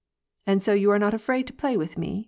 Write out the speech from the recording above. " And so you are not afraid to play with me ?